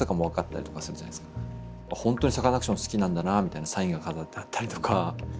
ほんとにサカナクション好きなんだなみたいなサインが飾ってあったりとか。